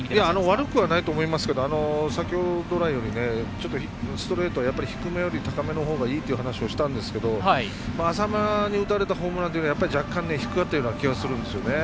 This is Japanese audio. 悪くはないと思いますけど先ほど来よりもストレートは低めよりも高めのほうがいいっていう話をしたんですが浅村に打たれたホームランっていうのはやっぱり若干低かったように見えたんですね。